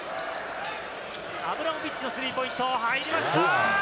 アブラモビッチのスリーポイント、入りました。